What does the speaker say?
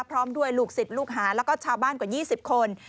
พร้อมด้วยลูกศิษย์ลูกหาแล้วก็ชาวบ้านกว่า๒๐คน